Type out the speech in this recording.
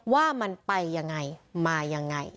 ว่ามันไปยังไงมายังไง